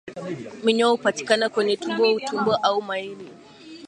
Minyoo hupatikana kwenye tumbo utumbo au maini